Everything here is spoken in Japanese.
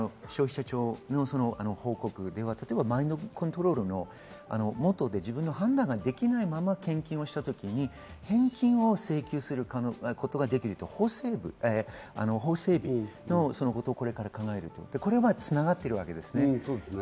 昨日、消費者庁の報告では例えばマインドコントロールの下で自分の判断ができないまま献金をした時に返金を請求されることができると、法整備のことをこれから考えると、これが繋がっています。